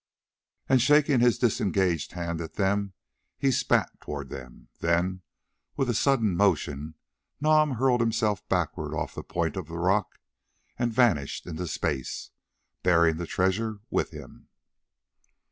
And shaking his disengaged hand at them he spat towards them; then with a sudden motion Nam hurled himself backwards off the point of rock and vanished into space, bearing the treasure with him.